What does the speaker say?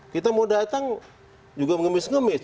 kita mau datang juga mengemis ngemis